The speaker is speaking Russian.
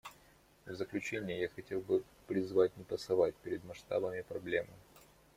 В заключение я хотел бы призвать не пасовать перед масштабами проблемы.